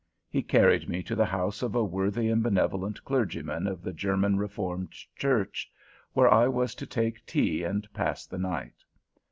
He carried me to the house of a worthy and benevolent clergyman of the German Reformed Church, where I was to take tea and pass the night.